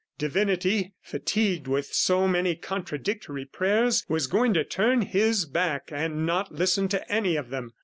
Divinity, fatigued with so many contradictory prayers was going to turn His back and not listen to any of them.